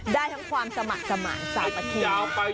ได้ทั้งความสมัครสมัครสามอาทิตย์